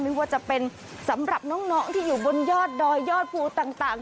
ไม่ว่าจะเป็นสำหรับน้องที่อยู่บนยอดดอยยอดภูต่าง